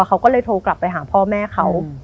เขาก็เลยโทรกลับไปหาพ่อแม่เขา